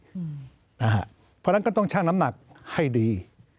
เพราะฉะนั้นก็ต้องชั่งน้ำหนักให้ดี